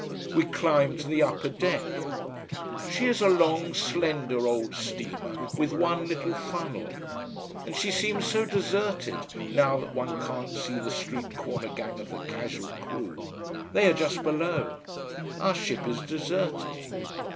We climb to the upper deck. She is a long, slender, old steamer with one little funnel. And she seems so deserted, now that one can't see the street corner gang of the casual crew. They are just below. Our ship is deserted.